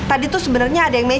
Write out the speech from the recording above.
ini semua gara gara ibu